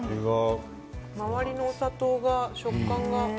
周りのお砂糖が食感が。